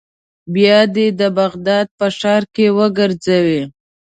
بیا دې د بغداد په ښار کې وګرځوي.